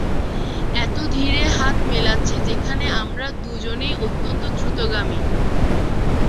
এত ধীরে হাত মেলাচ্ছি যেখানে আমরা দুজনই অত্যন্ত দ্রুতগামী।